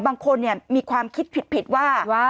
บางคนมีความคิดผิดว่า